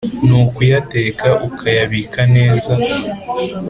ni ukuyateka, ukayabika neza